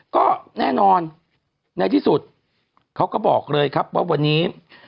ก็แน่นอนในที่สุดเขาก็บอกเลยครับว่าวันนี้